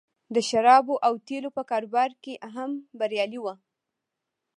د شرابو او تیلو په کاروبار کې هم بریالی و